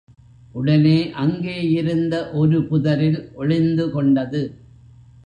உடனே அங்கே இருந்த ஒரு புதரில் ஒளிந்து கொண்டது.